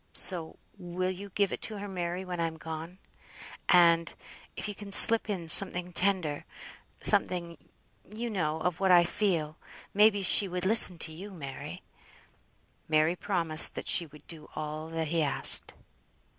So, will you give it to her, Mary, when I'm gone? and, if you can slip in something tender, something, you know, of what I feel, may be she would listen to you, Mary." Mary promised that she would do all that he asked.